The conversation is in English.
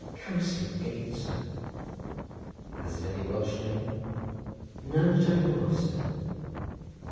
"Cowslip Gate, sir." "Has it any Welsh name?" "None that I know of, sir."